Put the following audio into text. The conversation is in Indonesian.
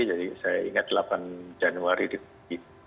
jadi saya ingat delapan januari di indonesia